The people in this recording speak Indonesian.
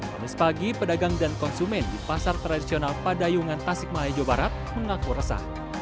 pada pagi pedagang dan konsumen di pasar tradisional pada yungan tasik mahai jawa barat mengaku resah